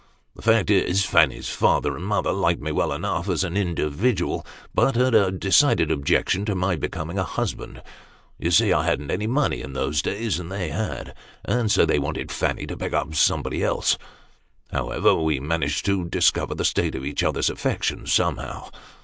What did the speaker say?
" The fact is, Fanny's father and mother liked me well enough as an individual, but had a decided objection to my becoming a husband. You see, I hadn't any money in those days, and they had ; and so they wanted Fanny to pick up somebody else. However, we managed to discover the state of each other's affections somehow.